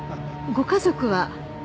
ご家族は？